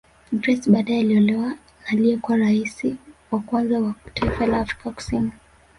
Grace badae aliolewa na aliyekuwa raisi wa kwanza wa taifa la Afrika Kusini